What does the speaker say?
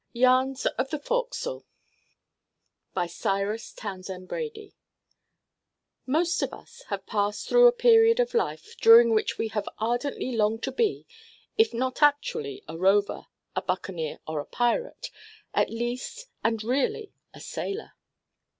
YARNS OF THE FORECASTLE BY CYRUS TOWNSEND BRADY Most of us have passed through a period of life during which we have ardently longed to be, if not actually a rover, a buccaneer, or a pirate, at least and really a sailor!